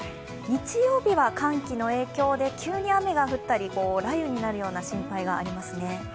日曜日は寒気の影響で急に雨が降ったり雷雨になるような心配がありますね。